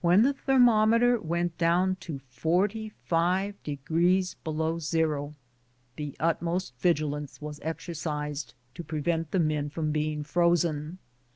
When the thermometer went down to 45° below zero, the utmost vigilance was exercised to prevent the men from being frozen.